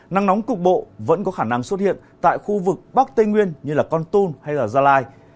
nắng nóng cục bộ vẫn có khả năng xuất hiện tại khu vực bắc tây nguyên như là con tôn hay là gia lai